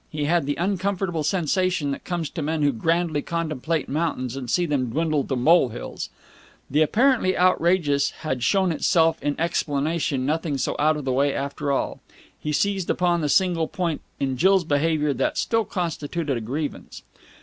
He had the uncomfortable sensation that comes to men who grandly contemplate mountains and see them dwindle to molehills. The apparently outrageous had shown itself in explanation nothing so out of the way after all. He seized upon the single point in Jill's behaviour that still constituted a grievance.